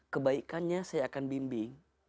kebaikannya saya akan bimbing